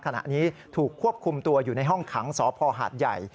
ขณะนี้ถูกควบคุมตัวอยู่ในห้องขังสพหาดใหญ่